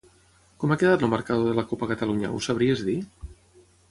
Com ha quedat el marcador de la copa Catalunya, ho sabries dir?